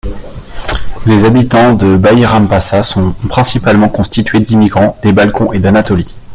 Les habitants de Bayrampaşa sont principalement constitués d'immigrants des Balkans et d'Anatolie.